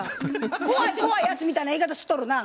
怖い怖いやつみたいな言い方しとるな。